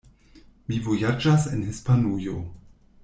Mi vojaĝas en Hispanujo.